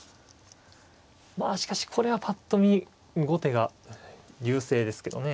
まあしかしこれはぱっと見後手が優勢ですけどね。